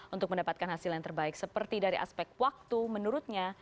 untuk mendapatkan hasil yang terbaik seperti dari aspek waktu menurutnya